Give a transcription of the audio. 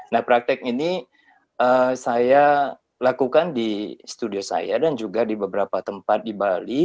nah praktek ini saya lakukan di studio saya dan juga di beberapa tempat di bali